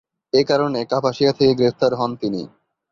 এ কারণে কাপাসিয়া থেকে গ্রেফতার হন তিনি।